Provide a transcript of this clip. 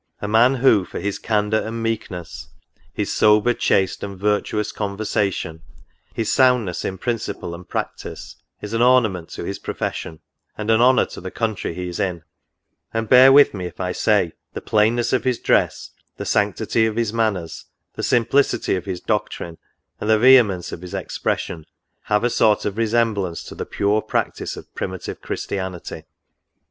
A man, who, for his candour and meekness, his sober, chaste, and virtuous conversation, his soundness in principle and practice, is an ornament to his profession, and an honour to the country he Is in ; and bear with me if I say, the plainness of his dress, the sanctity of his manners, the simplicity of his doctrine, and the vehemence of his expres sion, have a sort of resemblance to the pure practice of pri mitive Christianity."